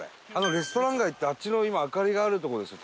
レストラン街ってあっちの今明かりがあるとこですよ